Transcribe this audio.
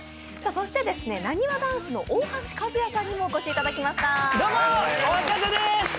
そしてですね、なにわ男子の大橋和也さんにもお越しいただきました。